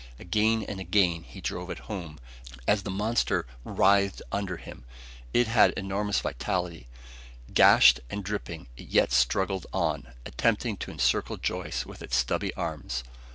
Again and again he drove it home, as the monster writhed under him. It had enormous vitality. Gashed and dripping, it yet struggled on, attempting to encircle Joyce with its stubby arms.